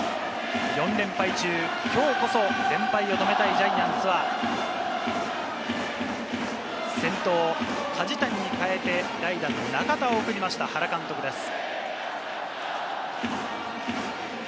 ４連敗中、きょうこそ連敗を止めたいジャイアンツは、先頭・梶谷に代えて、代打の中田を送りました、原監督です。